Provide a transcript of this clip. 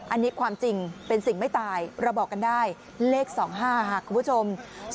อันนี้ความจริงเป็นสิ่งไม่ตายเราบอกกันได้เลข๒๕ค่ะคุณผู้ชม